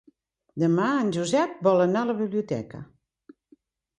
Demà en Josep vol anar a la biblioteca.